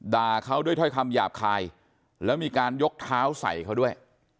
ด่าเขาด้วยถ้อยคำหยาบคายแล้วมีการยกเท้าใส่เขาด้วย